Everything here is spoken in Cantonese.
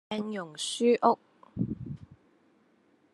鏡蓉書屋